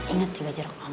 ingat tiga jarak aman